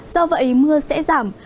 do vậy mưa sẽ giảm